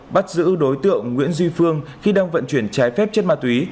bắt giữ đối tượng nguyễn duy phương khi đang vận chuyển trái phép chất ma túy